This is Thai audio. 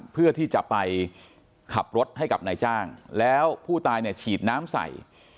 เพื่อที่จะไปขับรถให้กับนายจ้างแล้วผู้ตายเนี่ยฉีดน้ำใส่